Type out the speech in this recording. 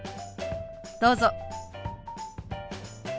どうぞ。